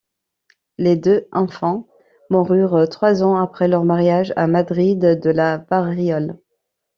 Les deux infants moururent trois ans après leur mariage à Madrid de la variole.